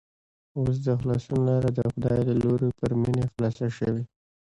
اوس د خلاصون لاره د خدای له لوري پر مينې خلاصه شوې